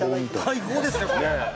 大砲ですねこれ。